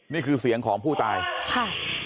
นี่คือเสียงของผู้ตายค่ะ